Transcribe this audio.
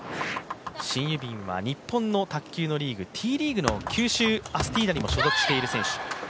シン・ユビンは日本の卓球のリーグ、Ｔリーグのチームにも所属している選手。